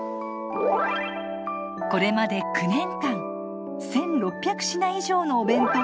これまで９年間１，６００品以上のお弁当を作りました。